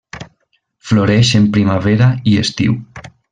Floreix en primavera i estiu.